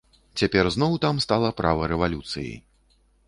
Цяпер зноў там стала права рэвалюцыі.